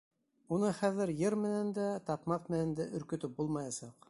Уны хәҙер йыр менән дә, таҡмаҡ менән дә өркөтөп булмаясаҡ.